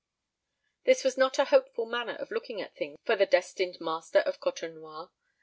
This was not a hopeful manner of looking at things for the destined master of Côtenoir. M.